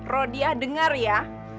rodia dengar ya